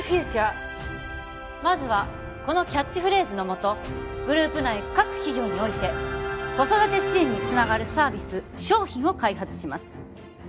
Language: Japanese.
まずはこのキャッチフレーズのもとグループ内各企業において子育て支援につながるサービス商品を開発します